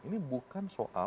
ini bukan soal